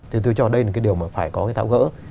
thì tôi cho đây là cái điều mà phải có cái thao gỡ